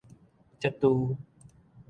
才拄